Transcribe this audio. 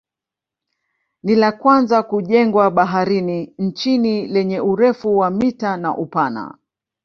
Ni la kwanza kujengwa baharini nchini lenye urefu wa mita na upana